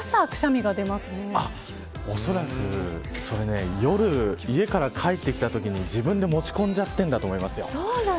おそらくそれ夜、家から帰ってきたときに自分で持ち込んじゃってるんだと思います。